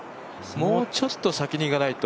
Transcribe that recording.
もうちょっと先にいかないと。